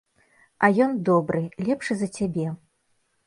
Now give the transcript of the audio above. А ён добры, лепшы за цябе.